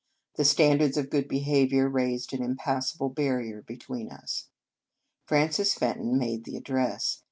The standards of good behaviour raised an impassable barrier between us. Frances Fenton made the address.